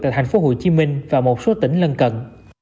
tại thành phố hồ chí minh và một số tỉnh lân cận